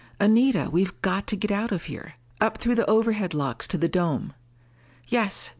"Anita, we've got to get out of here! Up through the overhead locks to the dome." "Yes."